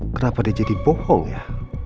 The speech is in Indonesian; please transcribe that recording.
kenapa dia jadi bohong ya